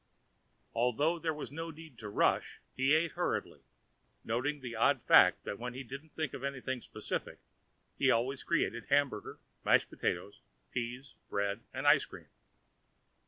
Although there was no need to rush, he ate hurriedly, noting the odd fact that when he didn't think of anything specific, he always created hamburger, mashed potatoes, peas, bread and ice cream.